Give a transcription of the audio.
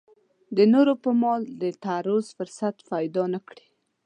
د نورو پر مال د تعرض فرصت پیدا نه کړي.